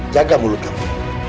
jaga mulut kamu